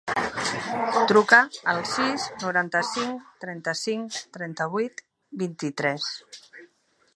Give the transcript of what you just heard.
Truca al sis, noranta-cinc, trenta-cinc, trenta-vuit, vint-i-tres.